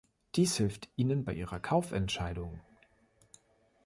Dies hilft ihnen bei ihrer Kaufentscheidung.